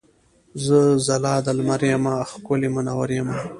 زه ځلا د لمر یمه ښکلی مونور یمه.